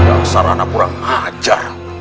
asal anak kurang ajar